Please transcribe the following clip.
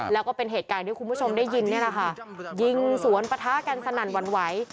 แล้วก็เป็นเหตุการณ์ที่คุณผู้ชมได้ยินยิงสวนปทาแกงสนั่นวันไหว